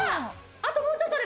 あともうちょっとで。